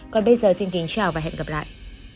còn bây giờ xin kính chào và hẹn gặp lại